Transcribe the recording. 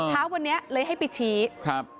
เช้าวันนี้เลยให้ไปชี้ครับ